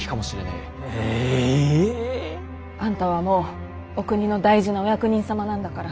ええ。あんたはもうお国の大事なお役人様なんだから。